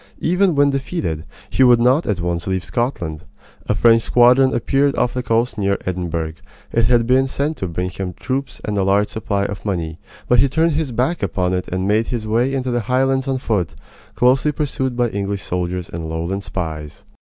Even when defeated, he would not at once leave Scotland. A French squadron appeared off the coast near Edinburgh. It had been sent to bring him troops and a large supply of money, but he turned his back upon it and made his way into the Highlands on foot, closely pursued by English soldiers and Lowland spies.